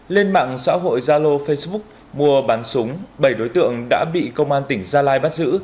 lên mạng xã hội zalo facebook mua bán súng bảy đối tượng đã bị công an tỉnh gia lai bắt giữ